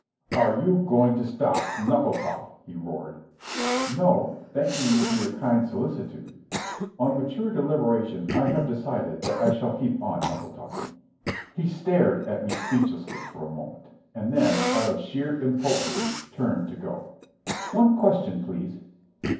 "Are you going to stop knuckle talk?" he roared. "No, thanking you for your kind solicitude. On mature deliberation I have decided that I shall keep on knuckle talking." He stared at me speechlessly for a moment, and then, out of sheer impotency, turned to go. "One question, please."